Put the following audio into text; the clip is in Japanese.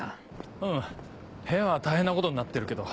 うん部屋は大変なことになってるけど。